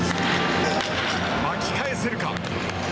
巻き返せるか。